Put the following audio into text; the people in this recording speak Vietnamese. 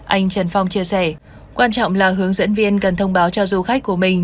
anh trần phong chia sẻ quan trọng là hướng dẫn viên cần thông báo cho du khách của mình